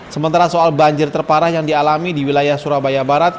sementara soal banjir terparah yang dialami di wilayah surabaya barat